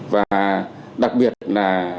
và đặc biệt là